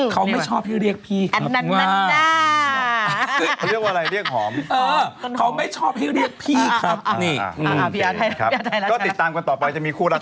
เค้าอยู่รอดรนั้นน่ะเชียงใหม่เธอทำวิลล่าอยู่